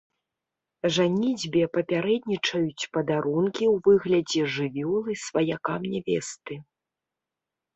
Жаніцьбе папярэднічаюць падарункі ў выглядзе жывёлы сваякам нявесты.